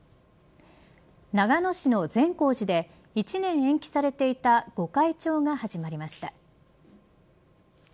長野市の善光寺で１年延期されていた御開帳が始まりました。